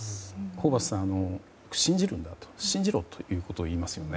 ホーバスさん信じるんだと信じろと言いますよね。